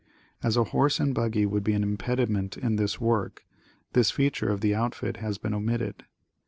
As a horse and buggy would be an impediment in this work, this feature of the outfit has been omitted.